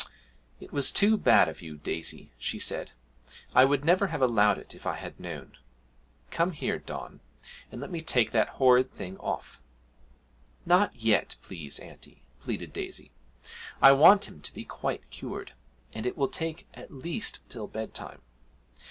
'It was too bad of you, Daisy!' she said; 'I would never have allowed it if I had known. Come here, Don, and let me take the horrid thing off.' 'Not yet, please, auntie!' pleaded Daisy, 'I want him to be quite cured, and it will take at least till bedtime.